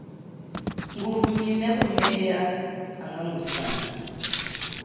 Nguvumineko meya hanga ngusane.